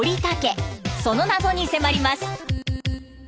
その謎に迫ります。